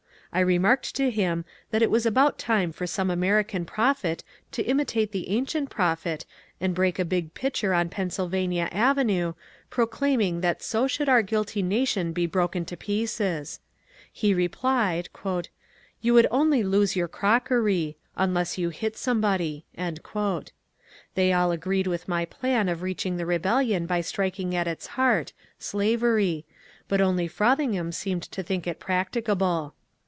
I remarked to him that it was about time for some American prophet to imitate the ancient prophet and break a big pitcher on Pennsylvania Avenue, proclaiming that so should our guilty nation be broken to pieces. He replied, ^^You would only lose your crockery — unless you hit somebody." They all agreed with my plan of reaching the rebellion by striking at its heart, slavery, but only Frothingham seemed to think it practicable.